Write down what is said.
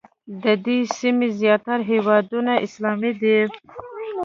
د دې سیمې زیاتره هېوادونه اسلامي دي.